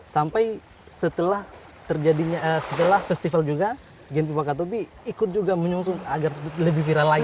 sampai setelah festival juga genpi wakatobi ikut juga menyusun agar lebih viral lagi